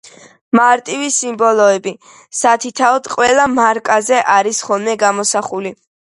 მარტივი სიმბოლოები სათითაოდ ყველა მარკაზე არის ხოლმე გამოსახული.